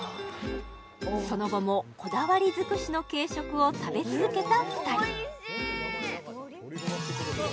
その後もこだわりづくしの軽食を食べ続けた２人